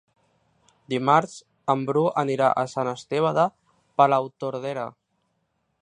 Dimarts en Bru anirà a Sant Esteve de Palautordera.